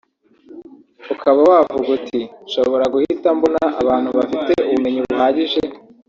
ukaba wavuga uti nshobora guhita mbona abantu bafite ubumenyi buhagije